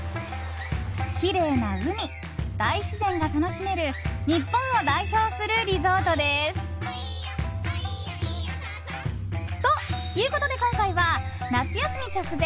きれいな海、大自然が楽しめる日本を代表するリゾートです。ということで今回は夏休み直前！